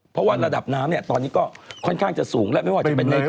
เพราะว่าระดับน้ำเนี่ยตอนนี้ก็ค่อนข้างจะสูงแล้วไม่ว่าจะเป็นใน